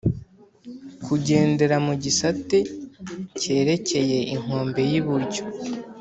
Kugendera mu gisate kerekeye inkombe y’iburyo